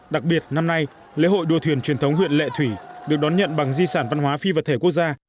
đặc biệt năm nay lễ hội đua thuyền truyền thống huyện lệ thủy được đón nhận bằng di sản văn hóa phi vật thể quốc gia